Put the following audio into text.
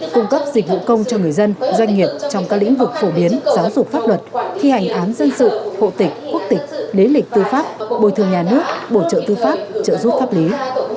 cung cấp dịch vụ công cho người dân doanh nghiệp trong các lĩnh vực phổ biến giáo dục pháp luật thi hành án dân sự hộ tịch quốc tịch nếu lịch tư pháp bồi thường nhà nước bổ trợ tư pháp trợ giúp pháp lý